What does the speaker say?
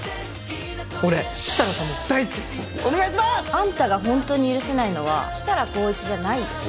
あんたがホントに許せないのは設楽紘一じゃないよ。